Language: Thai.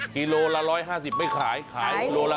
กิโลละ๑๕๐ไม่ขายขายกิโลละ